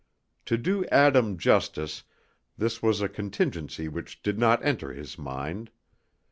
To do Adam justice, this was a contingency which did not enter his mind.